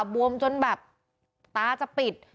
บวมจนแบบตาจะปิด